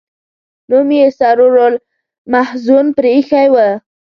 نوم یې سرور المحزون پر ایښی و.